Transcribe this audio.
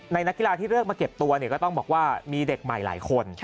นักกีฬาที่เลือกมาเก็บตัวเนี่ยก็ต้องบอกว่ามีเด็กใหม่หลายคน